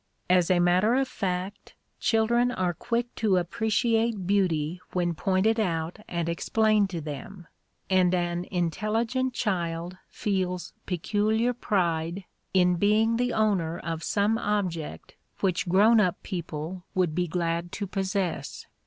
As a matter of fact, children are quick to appreciate beauty when pointed out and explained to them, and an intelligent child feels peculiar pride in being the owner of some object which grown up people would be glad to possess.